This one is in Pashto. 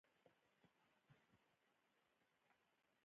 که په ډېره لوړه بيه هم وي بايد پرې نه ښودل شي.